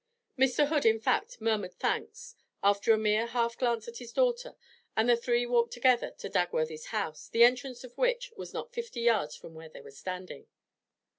Mr. Hood, in fact, murmured thanks, after a mere half glance at his daughter, and the three walked together to Dagworthy's house, the entrance to which was not fifty yards from where they were standing.